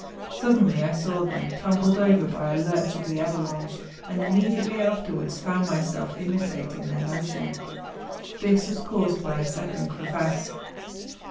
Suddenly I saw them tumbled over by a lurch of the avalanche, and immediately afterwards found myself imitating their motion. This was caused by a second crevasse.